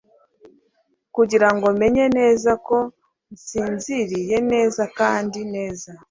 kugirango menye neza ko nsinziriye neza kandi neza